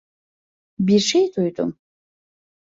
Bir şey duydum.